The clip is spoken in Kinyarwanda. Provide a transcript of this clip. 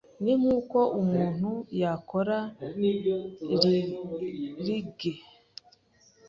ni nk’uko umuntu yakora Reggae